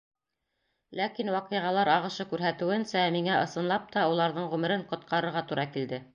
Ләкин ваҡиғалар ағышы күрһәтеүенсә, миңә ысынлап та уларҙың ғүмерен ҡотҡарырға тура килде.